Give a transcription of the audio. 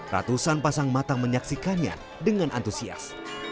ratusan pasang mata menyaksikannya dengan antusias